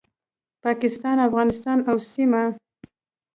پاکستان، افغانستان او سیمه